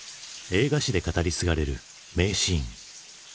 映画史で語り継がれる名シーン。